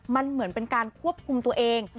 มันเหมือนเป็นการควบคุมตัวเอง